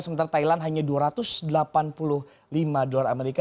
sementara thailand hanya dua ratus delapan puluh lima dolar amerika